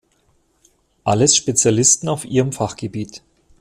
Alles Spezialisten auf ihrem Fachgebiet.